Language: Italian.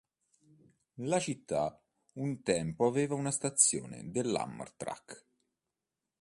La città un tempo aveva una stazione dell'Amtrak.